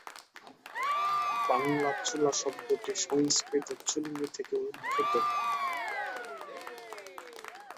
বাংলা "চুলা" শব্দটি সংস্কৃত "চুল্লি" থেকে উদ্ভূত।